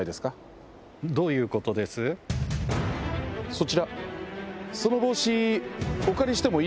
そちら。